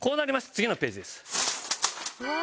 次のページです。